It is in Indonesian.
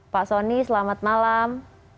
pak sondi selamat malam